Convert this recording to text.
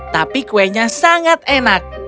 tapi kuenya sangat enak